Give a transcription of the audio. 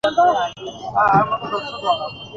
অপরাধীদের আমাদের কাছে আসতে বাধ্য করি।